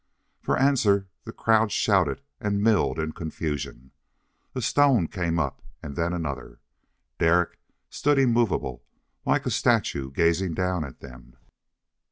For answer the crowd shouted and milled in confusion. A stone came up and then another. Derek stood immovable, like a statue gazing down at them.